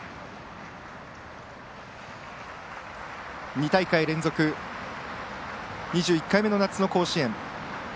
２大会連続２１回目の夏の甲子園。